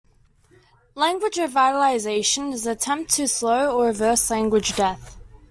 Language revitalization is an attempt to slow or reverse language death.